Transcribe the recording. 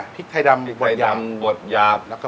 พริกไทยดำบวดยาป